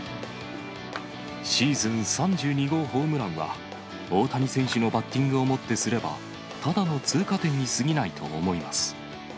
シーズン３２号ホームランは、大谷選手のバッティングをもってすれば、ただの通過点にすぎないと思います。